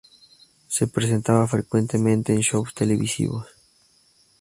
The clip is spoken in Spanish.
Se presentaba frecuentemente en shows televisivos.